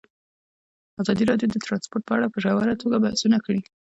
ازادي راډیو د ترانسپورټ په اړه په ژوره توګه بحثونه کړي.